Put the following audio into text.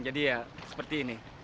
jadi ya seperti ini